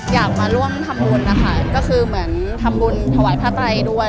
อยากมาร่วมทำบุญนะคะก็คือเหมือนทำบุญถวายผ้าไตรด้วย